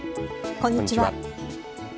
こんにちは。